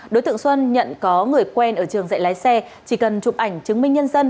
đối tượng xuân nhận có người quen ở trường dạy lái xe chỉ cần chụp ảnh chứng minh nhân dân